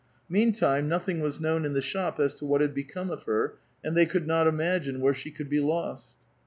Meantime, nothing was known in tlie shop as to what had become of her, and they could not imagine where she could be lost.